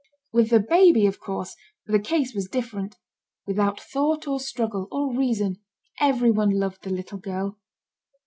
With the baby, of course, the case was different. Without thought or struggle, or reason, every one loved the little girl.